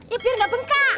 ya biar nggak bengkak